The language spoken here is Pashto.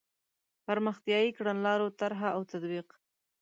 پرمختیایي کړنلارو طرح او تطبیق.